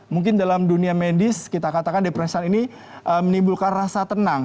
mungkin dalam dunia medis kita katakan depresan ini menimbulkan rasa tenang